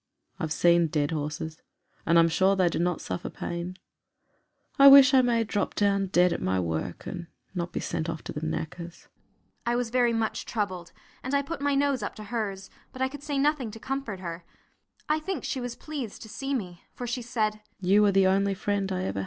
I have seen dead horses, and I am sure they do not suffer pain; I wish I may drop down dead at my work, and not be sent off to the knackers." I was very much troubled, and I put my nose up to hers, but I could say nothing to comfort her. I think she was pleased to see me, for she said, "You are the only friend I ever had."